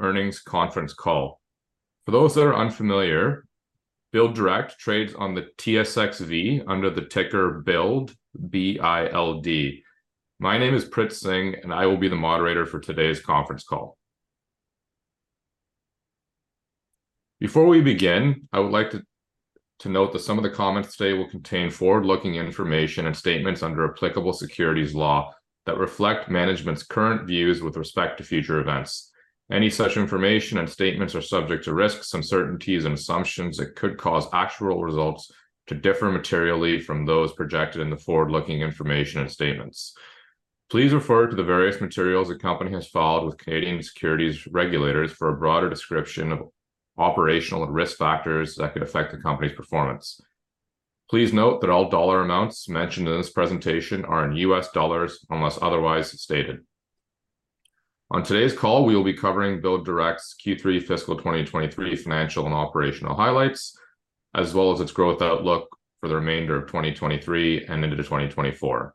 Earnings conference call. For those that are unfamiliar, BuildDirect trades on the TSXV under the ticker BILD. My name is Prit Singh, and I will be the moderator for today's conference call. Before we begin, I would like to note that some of the comments today will contain forward-looking information and statements under applicable securities law that reflect management's current views with respect to future events. Any such information and statements are subject to risks, uncertainties, and assumptions that could cause actual results to differ materially from those projected in the forward-looking information and statements. Please refer to the various materials the company has filed with Canadian securities regulators for a broader description of operational and risk factors that could affect the company's performance. Please note that all dollar amounts mentioned in this presentation are in US dollars, unless otherwise stated. On today's call, we will be covering BuildDirect's Q3 fiscal 2023 financial and operational highlights, as well as its growth outlook for the remainder of 2023 and into 2024.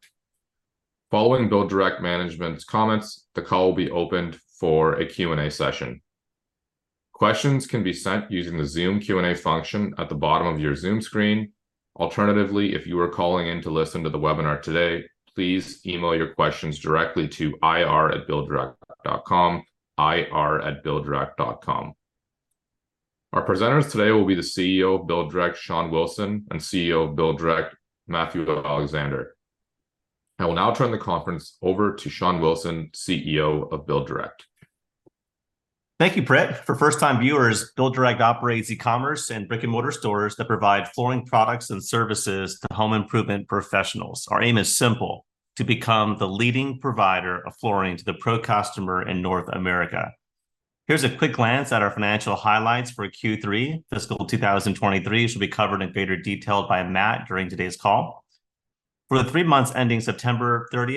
Following BuildDirect management's comments, the call will be opened for a Q&A session. Questions can be sent using the Zoom Q&A function at the bottom of your Zoom screen. Alternatively, if you are calling in to listen to the webinar today, please email your questions directly to ir@builddirect.com, ir@builddirect.com. Our presenters today will be the CEO of BuildDirect, Shawn Wilson, and CFO of BuildDirect, Matthew Alexander. I will now turn the conference over to Shawn Wilson, CEO of BuildDirect. Thank you, Prit. For first-time viewers, BuildDirect operates e-commerce and brick-and-mortar stores that provide flooring products and services to home improvement professionals. Our aim is simple: to become the leading provider of flooring to the pro customer in North America. Here's a quick glance at our financial highlights for Q3 fiscal 2023, which will be covered in greater detail by Matt during today's call. For the three months ending September 30,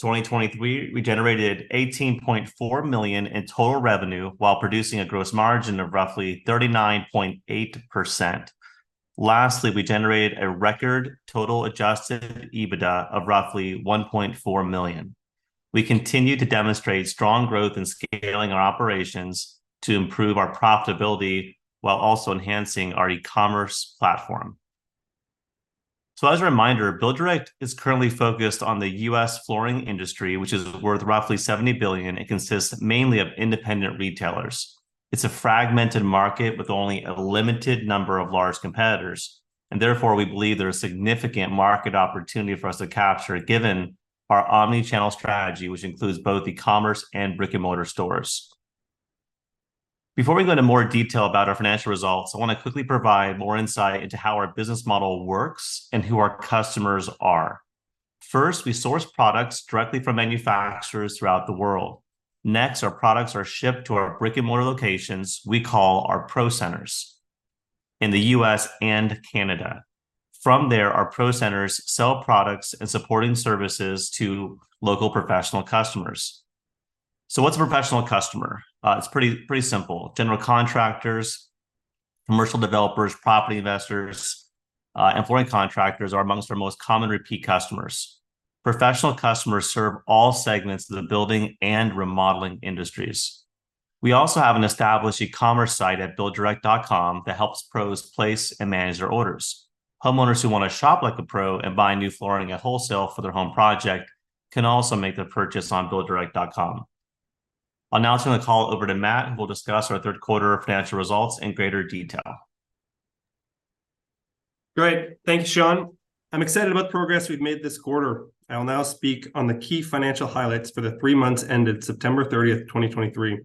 2023, we generated $18.4 million in total revenue, while producing a gross margin of roughly 39.8%. Lastly, we generated a record total Adjusted EBITDA of roughly $1.4 million. We continue to demonstrate strong growth in scaling our operations to improve our profitability, while also enhancing our e-commerce platform. So as a reminder, BuildDirect is currently focused on the U.S. flooring industry, which is worth roughly $70 billion and consists mainly of independent retailers. It's a fragmented market with only a limited number of large competitors, and therefore, we believe there is significant market opportunity for us to capture, given our omni-channel strategy, which includes both e-commerce and brick-and-mortar stores. Before we go into more detail about our financial results, I want to quickly provide more insight into how our business model works and who our customers are. First, we source products directly from manufacturers throughout the world. Next, our products are shipped to our brick-and-mortar locations, we call our Pro Centers, in the U.S. and Canada. From there, our Pro Centers sell products and supporting services to local professional customers. So what's a professional customer? It's pretty, pretty simple. General contractors, commercial developers, property investors, and flooring contractors are among our most common repeat customers. Professional customers serve all segments of the building and remodeling industries. We also have an established e-commerce site at BuildDirect.com that helps pros place and manage their orders. Homeowners who want to shop like a pro and buy new flooring at wholesale for their home project can also make the purchase on BuildDirect.com. I'll now turn the call over to Matt, who will discuss our third quarter financial results in greater detail. Great. Thank you, Shawn. I'm excited about the progress we've made this quarter. I will now speak on the key financial highlights for the three months ended September 30, 2023.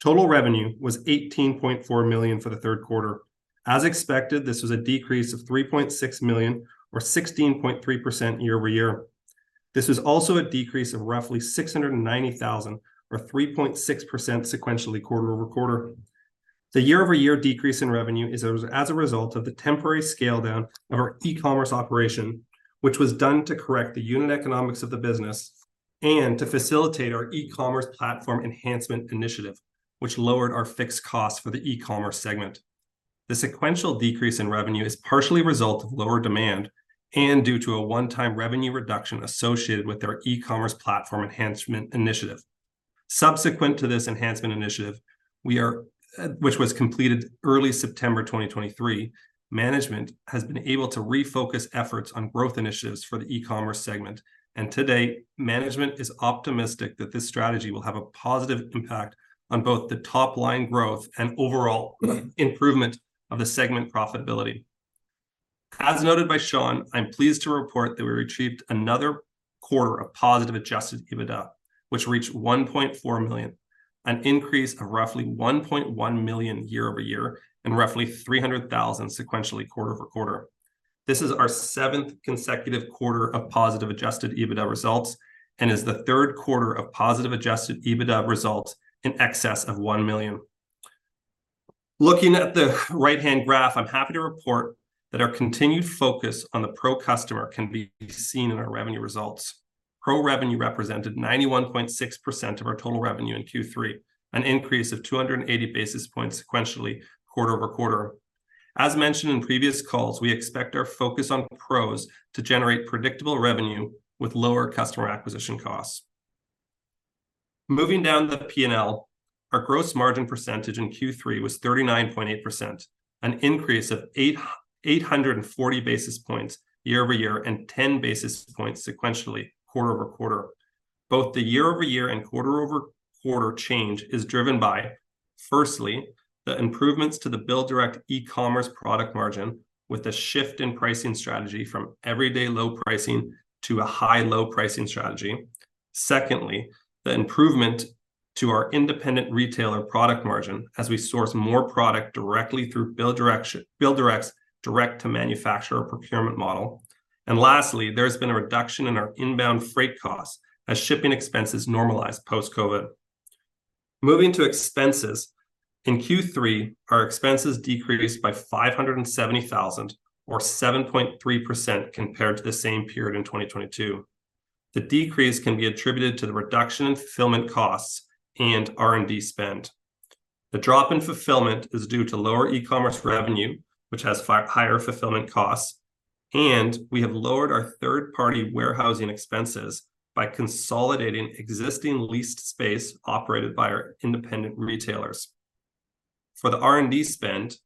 Total revenue was $18.4 million for the third quarter. As expected, this was a decrease of $3.6 million, or 16.3% year-over-year. This was also a decrease of roughly $690,000, or 3.6% sequentially quarter-over-quarter. The year-over-year decrease in revenue is as a result of the temporary scale-down of our e-commerce operation, which was done to correct the unit economics of the business and to facilitate our e-commerce platform enhancement initiative, which lowered our fixed costs for the e-commerce segment. The sequential decrease in revenue is partially a result of lower demand and due to a one-time revenue reduction associated with our e-commerce platform enhancement initiative. Subsequent to this enhancement initiative, which was completed early September 2023, management has been able to refocus efforts on growth initiatives for the e-commerce segment, and to date, management is optimistic that this strategy will have a positive impact on both the top-line growth and overall improvement of the segment profitability. As noted by Shawn, I'm pleased to report that we achieved another quarter of positive adjusted EBITDA, which reached $1.4 million, an increase of roughly $1.1 million year-over-year, and roughly $300,000 sequentially quarter-over-quarter. This is our seventh consecutive quarter of positive adjusted EBITDA results and is the third quarter of positive adjusted EBITDA results in excess of $1 million. Looking at the right-hand graph, I'm happy to report that our continued focus on the pro customer can be seen in our revenue results. Pro revenue represented 91.6% of our total revenue in Q3, an increase of 280 basis points sequentially quarter-over-quarter. As mentioned in previous calls, we expect our focus on pros to generate predictable revenue with lower customer acquisition costs. Moving down the P&L, our gross margin percentage in Q3 was 39.8%, an increase of eight hundred and forty basis points year-over-year and 10 basis points sequentially, quarter-over-quarter. Both the year-over-year and quarter-over-quarter change is driven by, firstly, the improvements to the BuildDirect e-commerce product margin, with a shift in pricing strategy from everyday low pricing to a high-low pricing strategy. Secondly, the improvement to our independent retailer product margin as we source more product directly through BuildDirect's direct-to-manufacturer procurement model. Lastly, there's been a reduction in our inbound freight costs as shipping expenses normalize post-COVID. Moving to expenses, in Q3, our expenses decreased by $570,000, or 7.3%, compared to the same period in 2022. The decrease can be attributed to the reduction in fulfillment costs and R&D spend. The drop in fulfillment is due to lower e-commerce revenue, which has higher fulfillment costs, and we have lowered our third-party warehousing expenses by consolidating existing leased space operated by our independent retailers. For the R&D spend,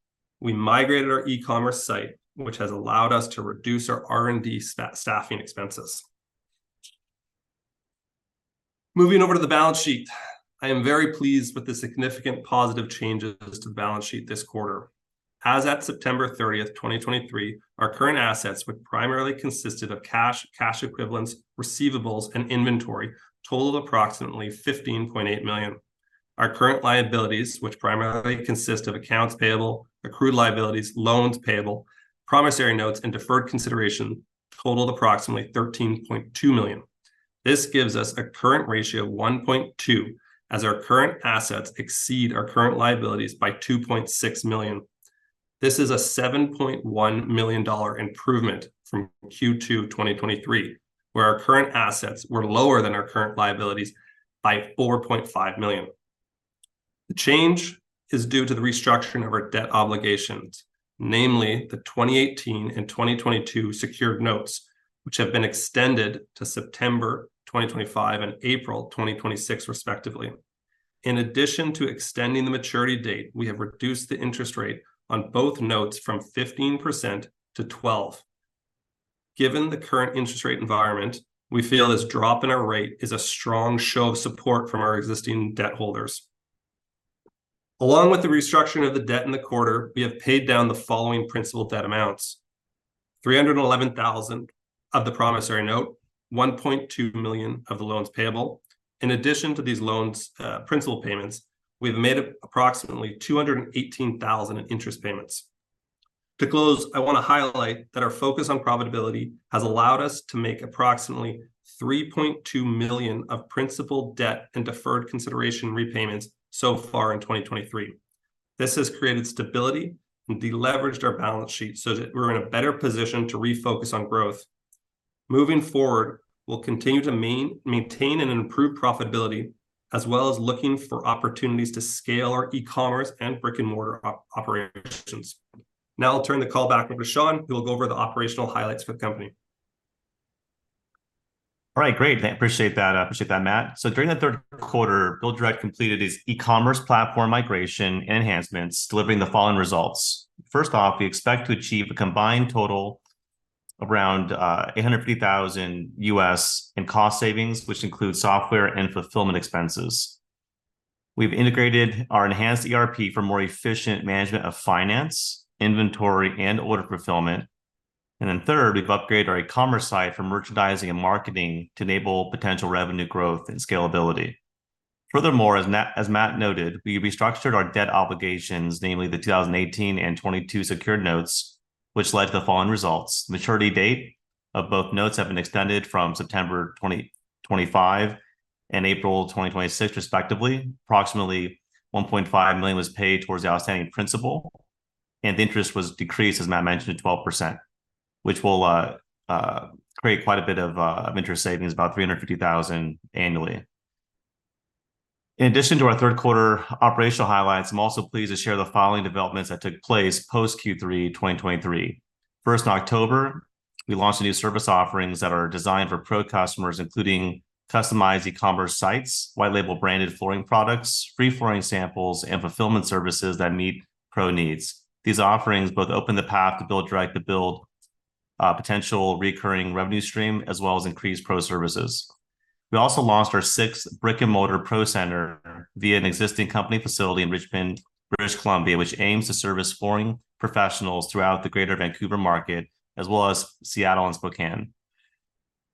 we migrated our e-commerce site, which has allowed us to reduce our R&D staffing expenses. Moving over to the balance sheet, I am very pleased with the significant positive changes to the balance sheet this quarter. As at September 30, 2023, our current assets, which primarily consisted of cash, cash equivalents, receivables, and inventory, totaled approximately $15.8 million. Our current liabilities, which primarily consist of accounts payable, accrued liabilities, loans payable, promissory notes, and deferred consideration, totaled approximately $13.2 million. This gives us a current ratio of 1.2, as our current assets exceed our current liabilities by $2.6 million. This is a $7.1 million improvement from Q2 2023, where our current assets were lower than our current liabilities by $4.5 million. The change is due to the restructuring of our debt obligations, namely the 2018 and 2022 secured notes, which have been extended to September 2025 and April 2026, respectively. In addition to extending the maturity date, we have reduced the interest rate on both notes from 15% to 12%. Given the current interest rate environment, we feel this drop in our rate is a strong show of support from our existing debt holders. Along with the restructuring of the debt in the quarter, we have paid down the following principal debt amounts: $311,000 of the promissory note, $1.2 million of the loans payable. In addition to these loans, principal payments, we've made approximately $218,000 in interest payments. To close, I want to highlight that our focus on profitability has allowed us to make approximately $3.2 million of principal debt and deferred consideration repayments so far in 2023. This has created stability and de-leveraged our balance sheet so that we're in a better position to refocus on growth. Moving forward, we'll continue to maintain and improve profitability, as well as looking for opportunities to scale our e-commerce and brick-and-mortar operations. Now I'll turn the call back over to Shawn, who will go over the operational highlights for the company. All right, great. I appreciate that, I appreciate that, Matt. So during the third quarter, BuildDirect completed its e-commerce platform migration and enhancements, delivering the following results. First off, we expect to achieve a combined total around $850,000 in cost savings, which include software and fulfillment expenses. We've integrated our enhanced ERP for more efficient management of finance, inventory, and order fulfillment. And then third, we've upgraded our e-commerce site for merchandising and marketing to enable potential revenue growth and scalability. Furthermore, as Matt noted, we restructured our debt obligations, namely the 2018 and 2022 secured notes, which led to the following results. Maturity date of both notes have been extended from September 2025 and April 2026, respectively. Approximately $1.5 million was paid towards the outstanding principal, and the interest was decreased, as Matt mentioned, to 12%, which will create quite a bit of interest savings, about $350,000 annually. In addition to our third quarter operational highlights, I'm also pleased to share the following developments that took place post Q3 2023. First, in October, we launched new service offerings that are designed for pro customers, including customized e-commerce sites, white label branded flooring products, free flooring samples, and fulfillment services that meet pro needs. These offerings both open the path to BuildDirect to build potential recurring revenue stream, as well as increased pro services. We also launched our sixth brick-and-mortar Pro Center via an existing company facility in Richmond, British Columbia, which aims to service flooring professionals throughout the greater Vancouver market, as well as Seattle and Spokane.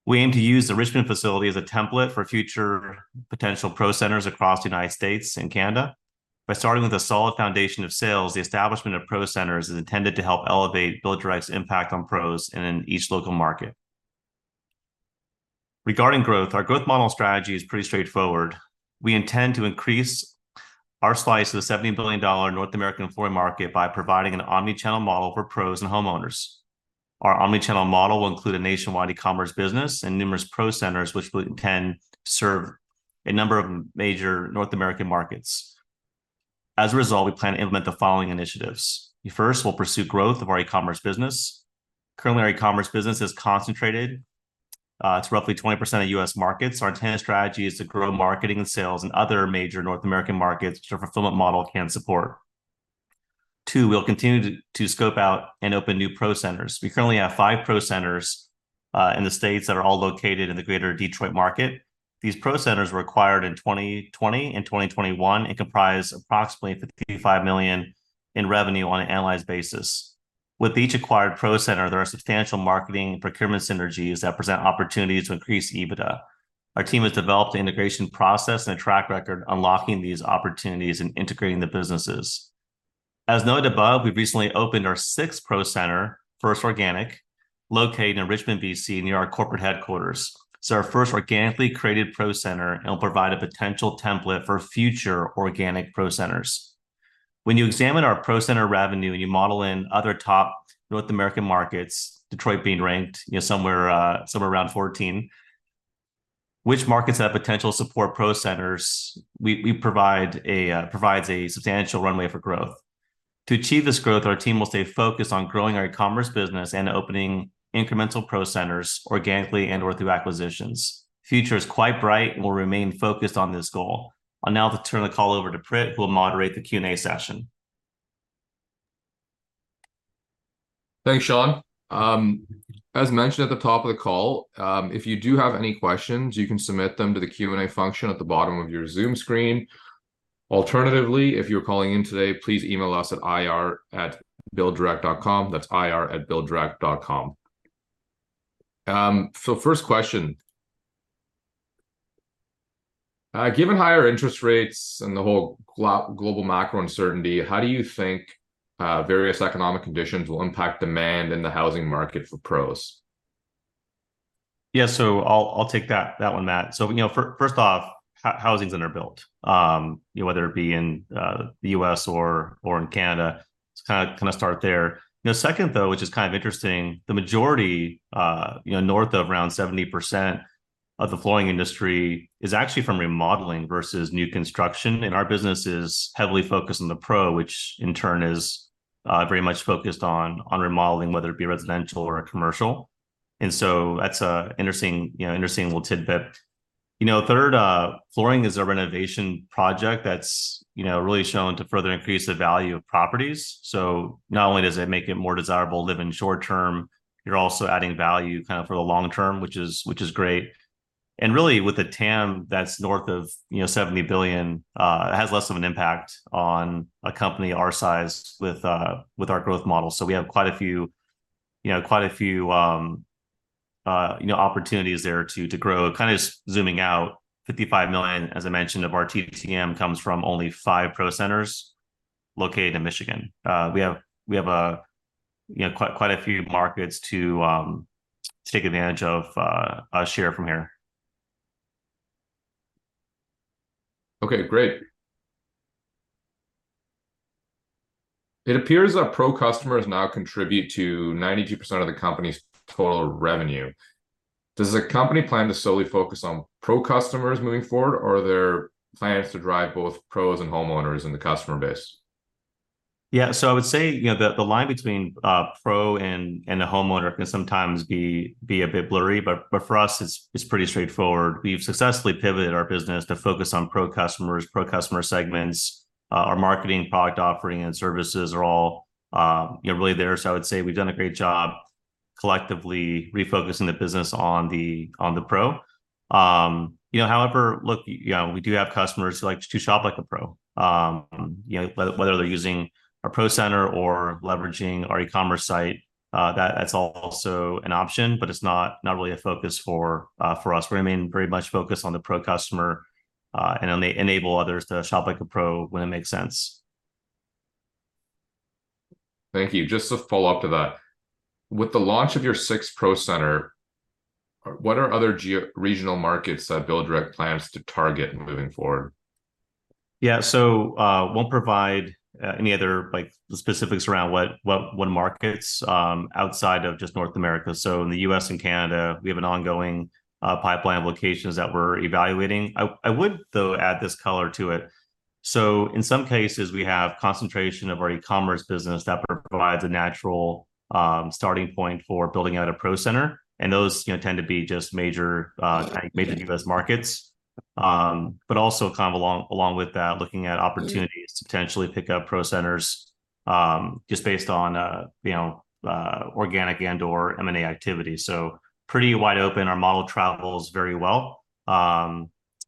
We aim to use the Richmond facility as a template for future potential Pro Centers across the United States and Canada. By starting with a solid foundation of sales, the establishment of Pro Centers is intended to help elevate BuildDirect's impact on pros and in each local market. Regarding growth, our growth model strategy is pretty straightforward. We intend to increase our slice of the $70 billion North American flooring market by providing an omni-channel model for pros and homeowners.... Our omni-channel model will include a nationwide e-commerce business and numerous Pro Centers, which we can serve a number of major North American markets. As a result, we plan to implement the following initiatives. We first will pursue growth of our e-commerce business. Currently, our e-commerce business is concentrated, it's roughly 20% of U.S. markets. Our intended strategy is to grow marketing and sales in other major North American markets which our fulfillment model can support. Two, we'll continue to scope out and open new Pro Centers. We currently have 5 Pro Centers in the States that are all located in the greater Detroit market. These Pro Centers were acquired in 2020 and 2021, and comprise approximately $55 million in revenue on an annualized basis. With each acquired Pro Center, there are substantial marketing procurement synergies that present opportunities to increase EBITDA. Our team has developed the integration process and a track record, unlocking these opportunities and integrating the businesses. As noted above, we've recently opened our sixth Pro Center, first organic, located in Richmond, BC, near our corporate headquarters. It's our first organically created Pro Center, and it'll provide a potential template for future organic Pro Centers. When you examine our Pro Center revenue and you model in other top North American markets, Detroit being ranked, you know, somewhere around 14, which markets have potential support Pro Centers, we provide a substantial runway for growth. To achieve this growth, our team will stay focused on growing our e-commerce business and opening incremental Pro Centers organically and/or through acquisitions. The future is quite bright, and we'll remain focused on this goal. I'll now turn the call over to Prit, who will moderate the Q&A session. Thanks, Shawn. As mentioned at the top of the call, if you do have any questions, you can submit them to the Q&A function at the bottom of your Zoom screen. Alternatively, if you're calling in today, please email us at ir@builddirect.com. That's ir@builddirect.com. So first question, given higher interest rates and the whole global macro uncertainty, how do you think various economic conditions will impact demand in the housing market for pros? Yeah, so I'll take that one, Matt. So, you know, first off, housing's underbuilt, you know, whether it be in the U.S. or in Canada. Let's kind of start there. You know, second though, which is kind of interesting, the majority, you know, north of around 70% of the flooring industry is actually from remodeling versus new construction, and our business is heavily focused on the pro, which in turn is very much focused on remodeling, whether it be residential or commercial. And so that's a interesting, you know, interesting little tidbit. You know, third, flooring is a renovation project that's, you know, really shown to further increase the value of properties. So not only does it make it more desirable to live in short term, you're also adding value kind of for the long term, which is, which is great. And really, with the TAM that's north of, you know, $70 billion, it has less of an impact on a company our size with, with our growth model. So we have quite a few, you know, quite a few, you know, opportunities there to, to grow. Kind of just zooming out, $55 million, as I mentioned, of our TTM, comes from only five Pro Centers located in Michigan. We have a, you know, quite a few markets to, to take advantage of, share from here. Okay, great. It appears that pro customers now contribute to 92% of the company's total revenue. Does the company plan to solely focus on pro customers moving forward, or are there plans to drive both pros and homeowners in the customer base? Yeah. So I would say, you know, the line between pro and the homeowner can sometimes be a bit blurry, but for us, it's pretty straightforward. We've successfully pivoted our business to focus on pro customers, pro customer segments. Our marketing, product offering, and services are all, you know, really there. So I would say we've done a great job collectively refocusing the business on the pro. You know, however, look, you know, we do have customers who like to shop like a pro. You know, whether they're using our Pro Center or leveraging our e-commerce site, that's also an option, but it's not really a focus for us. We remain very much focused on the pro customer, and enable others to shop like a pro when it makes sense. Thank you. Just a follow-up to that. With the launch of your sixth Pro Center, what are other georegional markets that BuildDirect plans to target moving forward? Yeah. So, won't provide any other, like, specifics around what markets outside of just North America. So in the U.S. and Canada, we have an ongoing pipeline of locations that we're evaluating. I would, though, add this color to it. So in some cases, we have concentration of our e-commerce business that provides a natural starting point for building out a Pro Center, and those, you know, tend to be just major kind of major U.S. markets. But also kind of along with that, looking at opportunities to potentially pick up Pro Centers, just based on, you know, organic and/or M&A activity. So pretty wide open. Our model travels very well.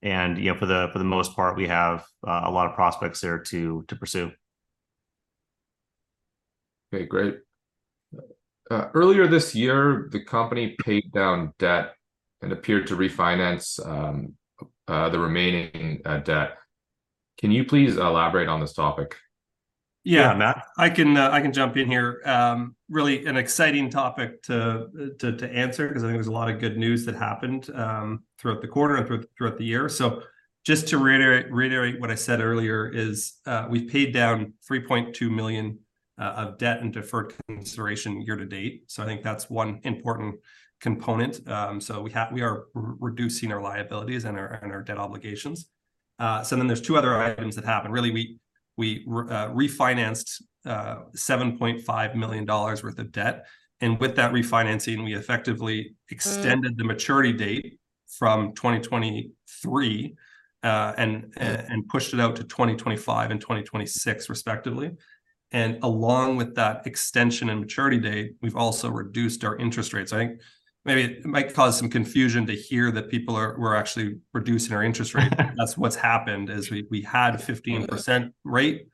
And, you know, for the most part, we have a lot of prospects there to pursue. Okay, great. Earlier this year, the company paid down debt and appeared to refinance the remaining debt. Can you please elaborate on this topic? Yeah, Matt, I can, I can jump in here. Really an exciting topic to answer, 'cause I think there's a lot of good news that happened throughout the quarter and throughout the year. So just to reiterate what I said earlier, is, we've paid down $3.2 million of debt and deferred consideration year to date. So I think that's one important component. So we are reducing our liabilities and our debt obligations. So then there's two other items that happened. Really, we refinanced $7.5 million worth of debt, and with that refinancing, we effectively extended the maturity date from 2023, and pushed it out to 2025 and 2026 respectively. Along with that extension in maturity date, we've also reduced our interest rates. I think maybe it might cause some confusion to hear that we're actually reducing our interest rate. That's what's happened, is we had a 15% rate,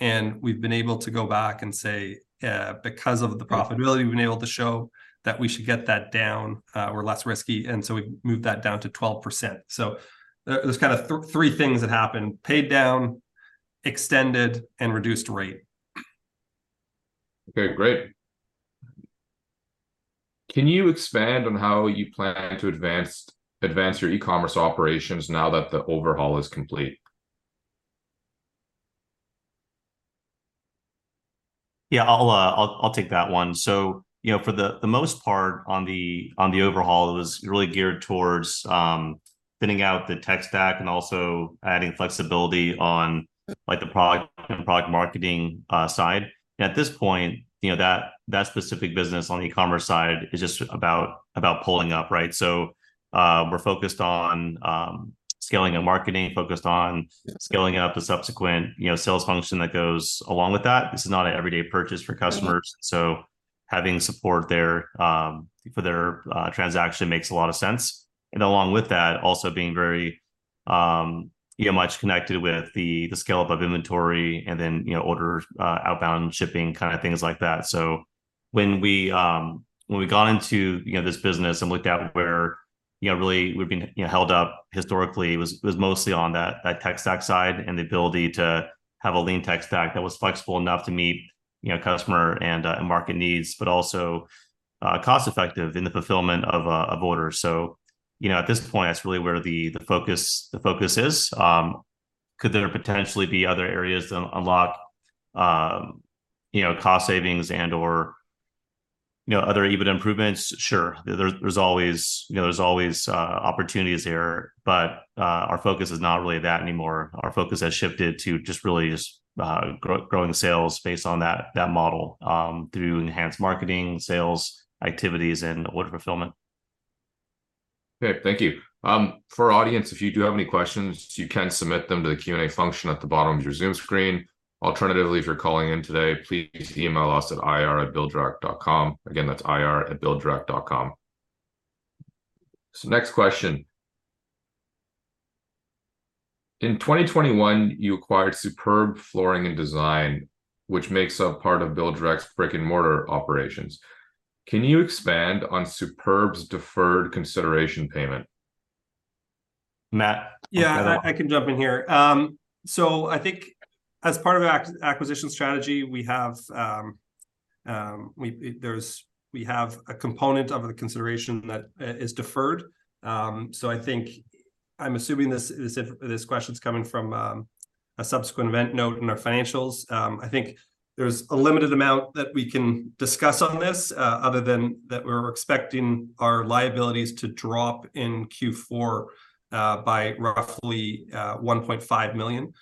and we've been able to go back and say, "Because of the profitability, we've been able to show that we should get that down, we're less risky," and so we moved that down to 12%. So there, there's kind of three things that happened: paid down, extended, and reduced rate. Okay, great. Can you expand on how you plan to advance your e-commerce operations now that the overhaul is complete? Yeah, I'll take that one. So, you know, for the most part, on the overhaul, it was really geared towards thinning out the tech stack and also adding flexibility on, like, the product and product marketing side. At this point, you know, that specific business on the e-commerce side is just about pulling up, right? So, we're focused on scaling and marketing, focused on scaling up the subsequent, you know, sales function that goes along with that. This is not an everyday purchase for customers so having support there, for their, transaction makes a lot of sense. And along with that, also being very, you know, much connected with the scale of inventory and then, you know, order, outbound shipping, kind of things like that. So when we got into, you know, this business and looked at where, you know, really we've been, you know, held up historically, was mostly on that tech stack side and the ability to have a lean tech stack that was flexible enough to meet, you know, customer and, and market needs, but also, cost-effective in the fulfillment of order. So, you know, at this point, that's really where the focus is. Could there potentially be other areas that unlock, you know, cost savings and, or, you know, other EBITDA improvements? Sure. There's, there's always, you know, there's always, opportunities there, but, our focus is not really that anymore. Our focus has shifted to just really just, growing sales based on that, that model, through enhanced marketing, sales, activities, and order fulfillment. Okay, thank you. For our audience, if you do have any questions, you can submit them to the Q&A function at the bottom of your Zoom screen. Alternatively, if you're calling in today, please email us at ir@builddirect.com. Again, that's ir@builddirect.com. So next question: "In 2021, you acquired Superb Flooring and Design, which makes up part of BuildDirect's brick-and-mortar operations. Can you expand on Superb's deferred consideration payment? Matt? Yeah, I, I can jump in here. So I think as part of acquisition strategy, we have a component of the consideration that is deferred. So I think... I'm assuming this question's coming from a subsequent event note in our financials. I think there's a limited amount that we can discuss on this other than that we're expecting our liabilities to drop in Q4 by roughly $1.5 million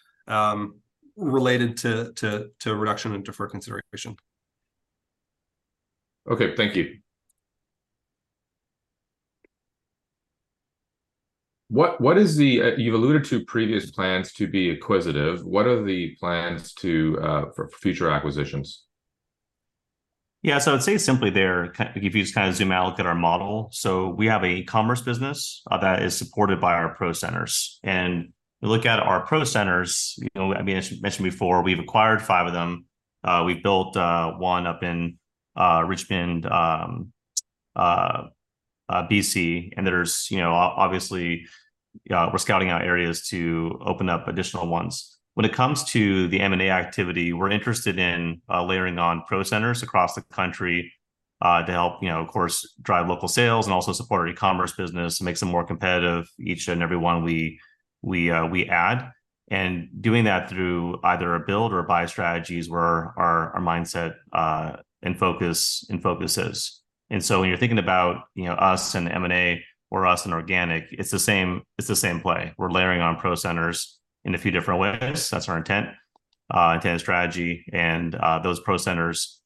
related to a reduction in deferred consideration. Okay, thank you. What, what is the... You've alluded to previous plans to be acquisitive. What are the plans to, for future acquisitions? Yeah, so I'd say simply there, if you just kinda zoom out, look at our model, so we have an e-commerce business that is supported by our Pro Centers. And you look at our Pro Centers, you know, I mean, as mentioned before, we've acquired 5 of them. We've built 1 up in Richmond, BC, and there's, you know, obviously, we're scouting out areas to open up additional ones. When it comes to the M&A activity, we're interested in layering on Pro Centers across the country to help, you know, of course, drive local sales and also support our e-commerce business, make some more competitive, each and every one we add. And doing that through either a build or buy strategy is where our mindset and focus is. And so when you're thinking about, you know, us and M&A or us and organic, it's the same, it's the same play. We're layering on Pro centers in a few different ways. That's our intent strategy, and those Pro centers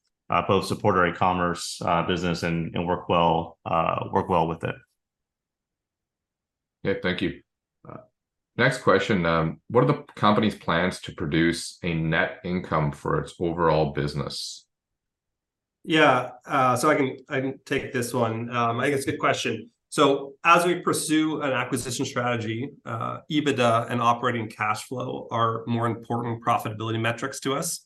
both support our e-commerce business and work well with it. Yeah, thank you. Next question: "What are the company's plans to produce a net income for its overall business? Yeah, so I can take this one. I think it's a good question. So as we pursue an acquisition strategy, EBITDA and operating cash flow are more important profitability metrics to us.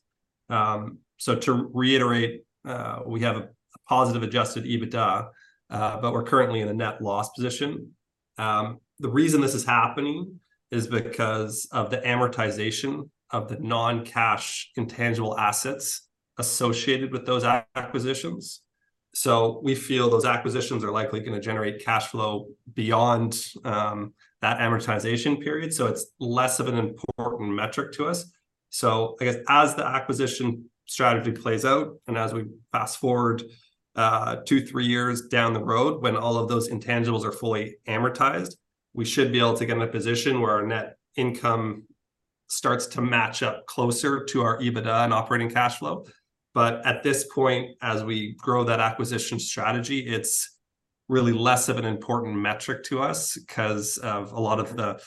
So to reiterate, we have a positive adjusted EBITDA, but we're currently in a net loss position. The reason this is happening is because of the amortization of the non-cash intangible assets associated with those acquisitions. So we feel those acquisitions are likely gonna generate cash flow beyond that amortization period, so it's less of an important metric to us. So I guess as the acquisition strategy plays out, and as we fast-forward 2-3 years down the road when all of those intangibles are fully amortized, we should be able to get in a position where our net income starts to match up closer to our EBITDA and operating cash flow. But at this point, as we grow that acquisition strategy, it's really less of an important metric to us, 'cause of a lot of the,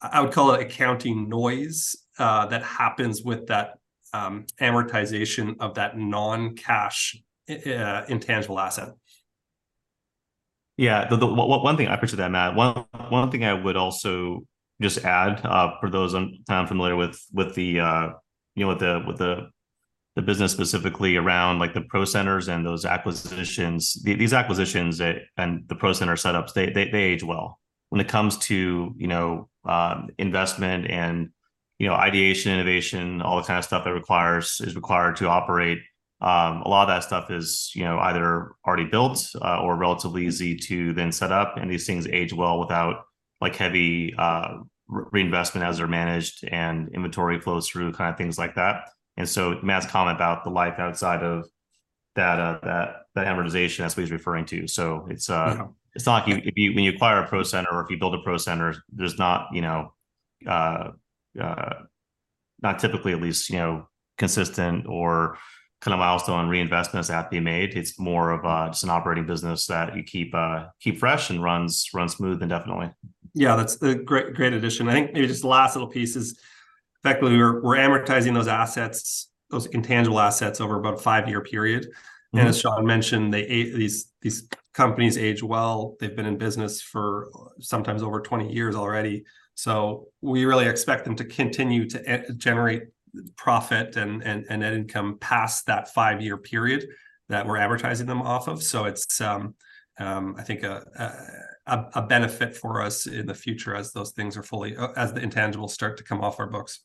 I would call it accounting noise, that happens with that, amortization of that non-cash, intangible asset. Yeah. The one thing I appreciate that, Matt. One thing I would also just add for those unfamiliar with the, you know, with the business specifically around, like the Pro Centers and those acquisitions, these acquisitions and the Pro Center setups, they age well. When it comes to, you know, investment and, you know, ideation, innovation, all the kind of stuff it requires is required to operate, a lot of that stuff is, you know, either already built or relatively easy to then set up, and these things age well without, like, heavy reinvestment as they're managed, and inventory flows through, kind of things like that. And so Matt's comment about the life outside of that, the amortization, that's what he's referring to. So it's... it's not like you, if you, when you acquire a Pro Center or if you build a Pro Center, there's not, you know, not typically at least, you know, consistent or kind of milestone reinvestments that have to be made. It's more of, just an operating business that you keep, keep fresh and runs, runs smooth indefinitely. Yeah, that's a great, great addition. I think maybe just the last little piece is, effectively, we're amortizing those assets, those intangible assets, over about a five-year period. And as Shawn mentioned, they, these companies age well. They've been in business for sometimes over 20 years already. So we really expect them to continue to generate profit and net income past that five-year period that we're amortizing them off of. So it's, I think a benefit for us in the future as those things are fully... as the intangibles start to come off our books.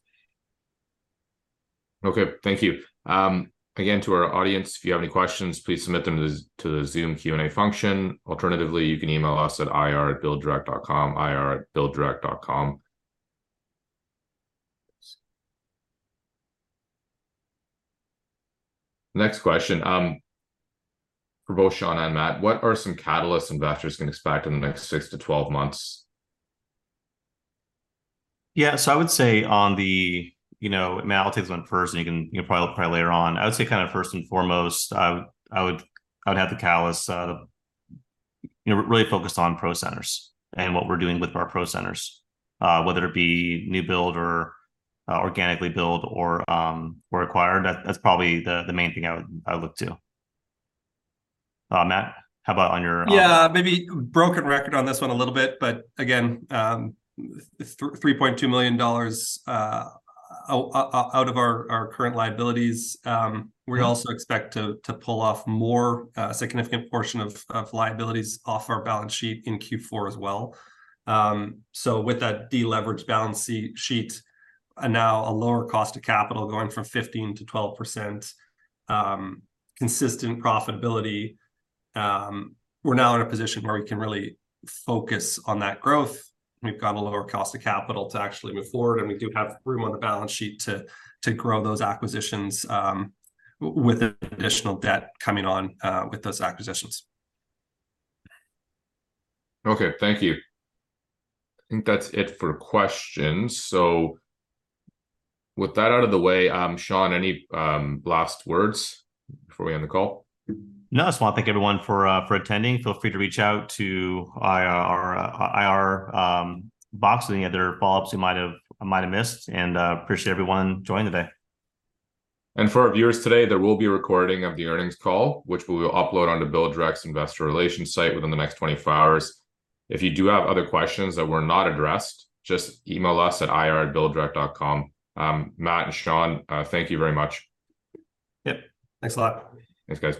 Okay, thank you. Again, to our audience, if you have any questions, please submit them to the, to the Zoom Q&A function. Alternatively, you can email us at ir@BuildDirect.com, ir@BuildDirect.com. Next question, for both Shawn and Matthew, what are some catalysts investors can expect in the next six to 12 months? Yeah, so I would say on the, you know, Matt, I'll take this one first, and you can, you know, probably reply later on. I would say kind of first and foremost, I would have the catalyst, you know, really focused on Pro Centers and what we're doing with our Pro Centers. Whether it be new build or organically build or acquired, that's probably the main thing I would look to. Matt, how about on your. Yeah, maybe broken record on this one a little bit, but again, $3.2 million out of our current liabilities, we also expect to pull off more significant portion of liabilities off our balance sheet in Q4 as well. So with that de-leveraged balance sheet, and now a lower cost of capital going from 15%-12%, consistent profitability, we're now in a position where we can really focus on that growth. We've got a lower cost of capital to actually move forward, and we do have room on the balance sheet to grow those acquisitions, with additional debt coming on with those acquisitions. Okay, thank you. I think that's it for questions. So with that out of the way, Shawn, any last words before we end the call? No, I just wanna thank everyone for attending. Feel free to reach out to IR box with any other follow-ups you might have, I might have missed, and appreciate everyone joining today. For our viewers today, there will be a recording of the earnings call, which we will upload onto BuildDirect's Investor Relations site within the next 24 hours. If you do have other questions that were not addressed, just email us at ir@builddirect.com. Matt and Shawn, thank you very much. Yep, thanks a lot. Thanks, guys.